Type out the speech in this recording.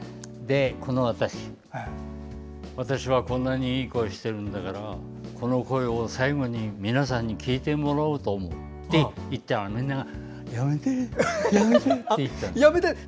この私、私はこんなにいい声してるんだからこの声を最後に皆さんに聞いてもらおうと思うって言ったらみんながやめて！って言ったんです。